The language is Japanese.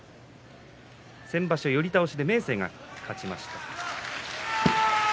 先場所、寄り倒しで明生が勝っています。